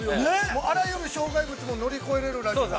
◆あらゆる障害物も乗り越えられるという。